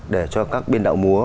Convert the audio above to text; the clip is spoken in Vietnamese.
để cho các biên đạo múa